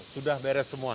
sudah beres semua